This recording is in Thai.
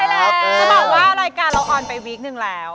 จะบอกว่ารายการเราออนไปวีคนึงแล้ว